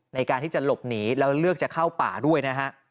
ในการที่จะหลบหนีแล้วเลือกจะเข้าป่าด้วยนะฮะ